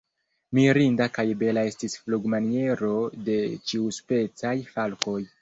Mirinda kaj bela estis flugmaniero de ĉiuspecaj falkoj.